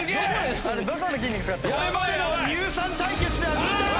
これまでの乳酸対決では見た事。